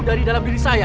dari dalam diri saya